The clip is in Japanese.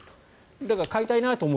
だから買いたいなと思う